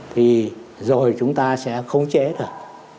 thì rồi chúng ta sẽ không chế được